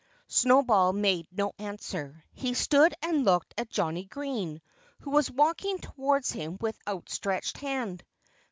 Snowball made no answer. He stood and looked at Johnnie Green, who was walking towards him with outstretched hand.